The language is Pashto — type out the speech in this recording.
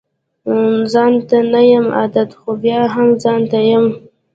ځانته نه يم عادت خو بيا هم ځانته يم